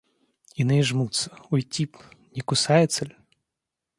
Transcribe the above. Иные жмутся — уйти б, не кусается ль?